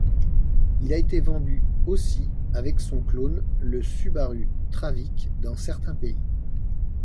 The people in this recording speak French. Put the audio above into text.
Il a été vendu aussi avec son clone le Subaru Traviq dans certains pays.